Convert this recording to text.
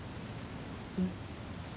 うん。